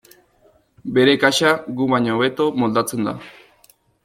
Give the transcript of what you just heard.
Bere kasa gu baino hobeto moldatzen da.